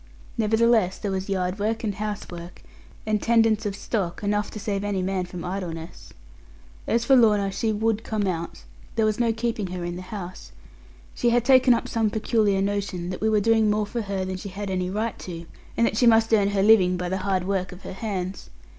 Nevertheless, there was yard work, and house work, and tendence of stock, enough to save any man from idleness. As for Lorna, she would come out. There was no keeping her in the house. She had taken up some peculiar notion that we were doing more for her than she had any right to, and that she must earn her living by the hard work of her hands.